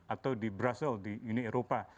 atau di brazil di uni eropa